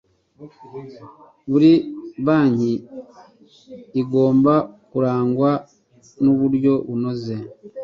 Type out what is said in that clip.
buri banki igomba kurangwa n uburyo bunoze